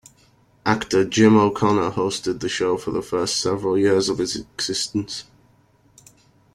Actor Jim O'Connor hosted the show for the first several years of its existence.